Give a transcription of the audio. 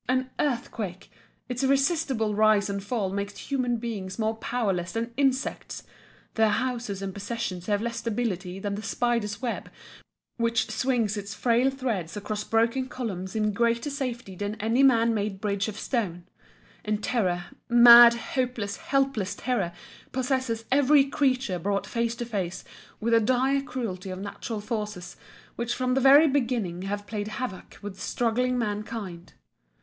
An earthquake! Its irresistible rise and fall makes human beings more powerless than insects, their houses and possessions have less stability than the spider's web which swings its frail threads across broken columns in greater safety than any man made bridge of stone, and terror, mad, hopeless, helpless terror, possesses every creature brought face to face with the dire cruelty of natural forces, which from the very beginning have played havoc with struggling mankind.